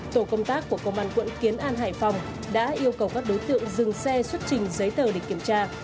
tổ công tác của công an quận kiến an hải phòng đã yêu cầu các đối tượng dừng xe xuất trình giấy tờ để kiểm tra